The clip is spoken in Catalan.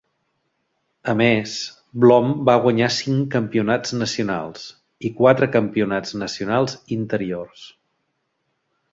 A més, Blom va guanyar cinc campionats nacionals i quatre campionats nacionals interiors.